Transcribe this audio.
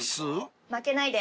負けないで。